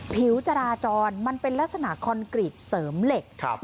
ผิวจราจรมันเป็นลักษณะคอนกรีตเสริมเหล็ก